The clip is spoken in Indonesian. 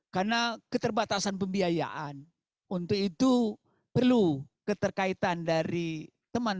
karena keterbatasan pembiayaan untuk itu perlu keterkaitan dari teman